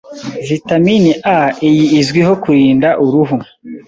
Vitamini A iyi izwiho kurinda uruhu,